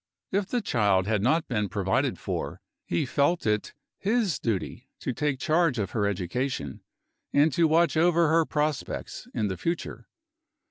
If the child had not been provided for, he felt it his duty to take charge of her education, and to watch over her prospects in the future.